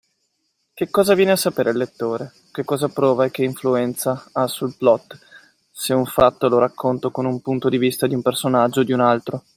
Che cosa viene a sapere il lettore, che cosa prova e che influenza ha sul plot se un fatto lo racconto con un punto di vista di un personaggio o di un altro?